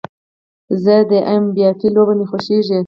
زه د ایم با في لوبه مې خوښیږي